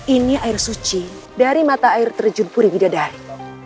ini air suci dari mata air terjun puri bidadari